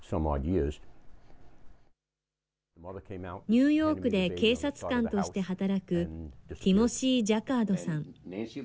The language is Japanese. ニューヨークで警察官として働く、ティモシー・ジャカードさん。